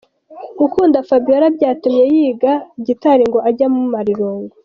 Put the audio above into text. Gukunda Fabiola Byatumye yiga gitari ngo ajye amumara irungu.